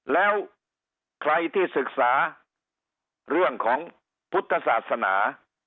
แล้วใครที่ศึกษาเรื่องของพุทธศาสนา